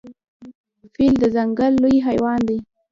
فیل د ځنګل لوی حیوان دی.